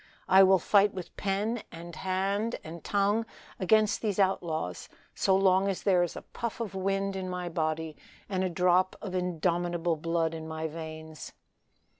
I will fight with pen and hand and tongue against these outlaws, so long as there is a puff of wind in my body, and a drop of indomitable blood in my veins."